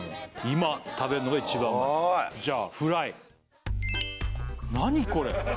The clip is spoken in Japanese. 今食べんのが一番うまいじゃあフライ何これ？